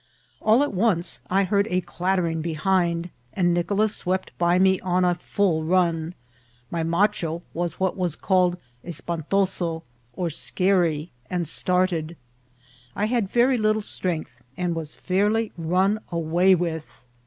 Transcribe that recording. All at once I heard a clattering behind, and Nicolas swept by me on a full run. My macho was what was called es DEPARTURE FOR aUATIXALA. 875 pantosa, or scary^ and started. I kad very little strength, and was fiedrly nm away with.